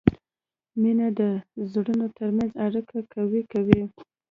مینه د زړونو ترمنځ اړیکه قوي کوي.